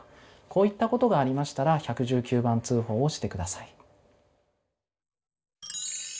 こういったことがありましたら１１９番通報をしてください。